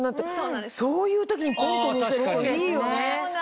そういう時にポンと乗せるといいよね。